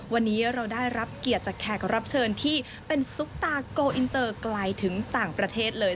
วันนี้เราได้รับเกียรติจากแขกรับเชิญที่เป็นซุปตาโกอินเตอร์ไกลถึงต่างประเทศเลย